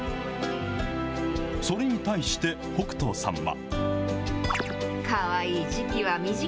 それに対して北斗さんは。